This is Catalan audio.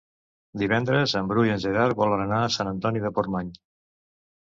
Divendres en Bru i en Gerard volen anar a Sant Antoni de Portmany.